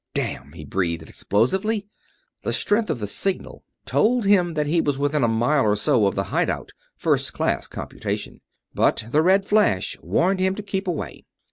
"Damn!" he breathed, explosively. The strength of the signal told him that he was within a mile or so of the hide out first class computation but the red flash warned him to keep away.